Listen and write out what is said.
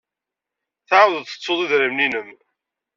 Tɛawded tettud idrimen-nnem.